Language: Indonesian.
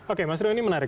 oke mas rew ini menarik